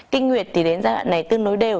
kinh nguyệt thì đến giai đoạn này tương đối đều